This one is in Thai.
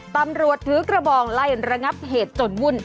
ตำรวจถือกระบองไล่ระงับเหตุจนวุ่น